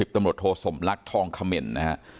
๑๐ตำรวจโทษสมลักษณ์ทองคมินนะครับ